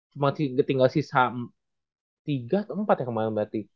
cuma tinggal sisa tiga atau empat ya kemarin berarti